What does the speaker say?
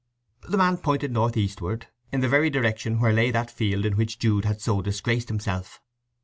The man pointed north eastward, in the very direction where lay that field in which Jude had so disgraced himself.